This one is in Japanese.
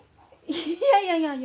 いやいやいやいや。